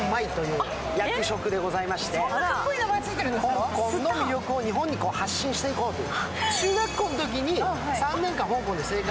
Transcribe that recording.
香港の魅力を日本に発信していこうという。